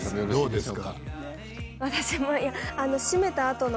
どうですか？